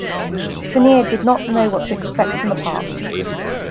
Trinneer did not know what to expect from the part.